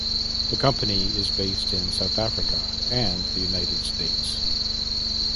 The company is based in South Africa and the United States.